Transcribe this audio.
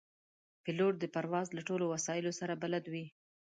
پیلوټ د پرواز له ټولو وسایلو سره بلد وي.